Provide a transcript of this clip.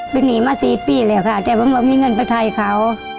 ไปหนีมาสี่ปีเลยค่ะแต่เพราะมันมีเงินไปไทยเขา